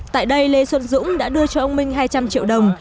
tại đây lê xuân dũng đã đưa cho ông minh hai trăm linh triệu đồng